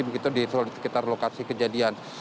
begitu di sekitar lokasi kejadian